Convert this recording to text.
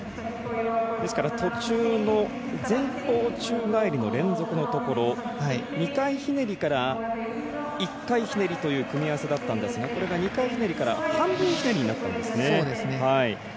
ですから、途中の前方宙返りの連続のところ、２回ひねりから１回ひねりという組み合わせだったんですがこれが２回ひねりから半分ひねりになったんですね。